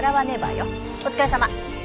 お疲れさま。